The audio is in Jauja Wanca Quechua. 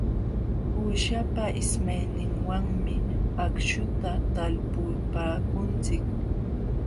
Uushapa ismayninwanmi akśhuta talpupaakunchik.